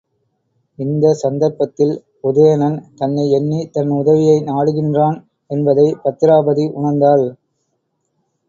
இந்தச் சந்தர்ப்பத்தில், உதயணன் தன்னை எண்ணித் தன் உதவியை நாடுகின்றான் என்பதைப் பத்திராபதி உணர்ந்தாள்.